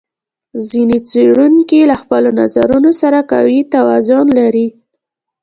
ځینې څېړونکي له خپلو نظرونو سره قوي توازن لري.